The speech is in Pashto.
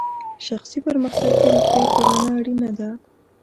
شخصي پرمختګ کې روغتیا پالنه اړینه ده.